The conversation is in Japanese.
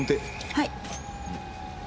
はい。